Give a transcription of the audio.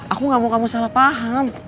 aku gak mau kamu salah paham